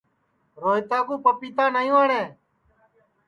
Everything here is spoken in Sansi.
روہیتا کُو پَپیتا نائی وٹؔے